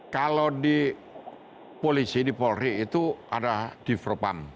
kalau di polisi di polri itu ada di propam